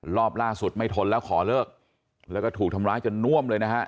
รอบล่าสุดไม่ทนแล้วขอเลิกแล้วก็ถูกทำร้ายจนน่วมเลยนะฮะ